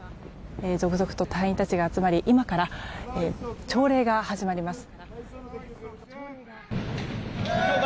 続々と隊員たちが集まり今から朝礼が始まります。